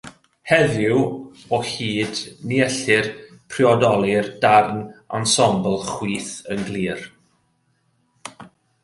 Heddiw o hyd ni ellir priodoli'r darn ensemble chwyth yn glir.